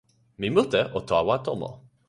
mi mute o tawa tomo.